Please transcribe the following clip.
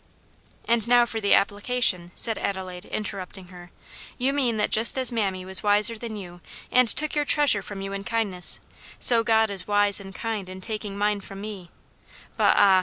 "And now for the application," said Adelaide, interrupting her; "you mean that just as mammy was wiser than you, and took your treasure from you in kindness, so God is wise and kind in taking mine from me; but ah!